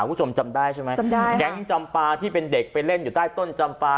คุณผู้ชมจำได้ใช่ไหมจำได้แก๊งจำปาที่เป็นเด็กไปเล่นอยู่ใต้ต้นจำปลา